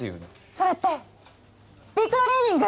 それってビッグドリーミング？